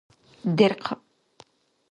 Дерхъаб!